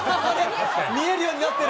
見えるようになってる。